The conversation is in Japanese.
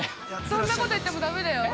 そんなこと言ってもだめだよ。